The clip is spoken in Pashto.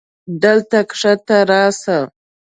دلته کښته راسه.